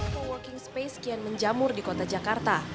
co working space kian menjamur di kota jakarta